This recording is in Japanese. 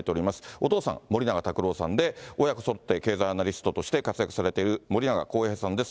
お父さん、森永卓郎さんで、親子そろって経済アナリストとして活躍されている森永康平さんです。